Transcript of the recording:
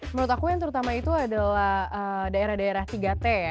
menurut aku yang terutama itu adalah daerah daerah tiga t ya